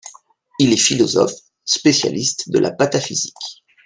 Il est philosophe, spécialiste de la pataphysique.